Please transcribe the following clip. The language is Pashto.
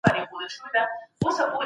ادم ع د خدای د مهربانۍ څخه مننه وکړه.